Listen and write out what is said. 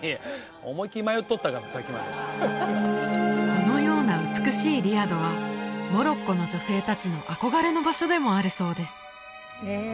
このような美しいリアドはモロッコの女性達の憧れの場所でもあるそうです